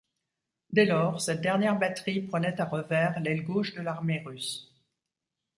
Dès lors, cette dernière batterie prenait à revers l’aile gauche de l’armée russe.